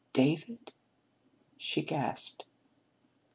"David?" she gasped.